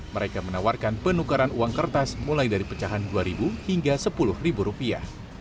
mereka menawarkan penukaran uang kertas mulai dari pecahan dua ribu hingga sepuluh rupiah